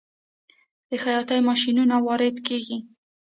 د خیاطۍ ماشینونه وارد کیږي؟